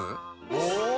お！